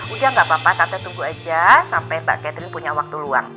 udah gak apa apa tante tunggu aja sampai mbak catherine punya waktu luang